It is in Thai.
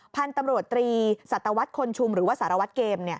พันธุ์ตำรวจตรีสัตวรรษคนชุมหรือว่าสารวัตรเกม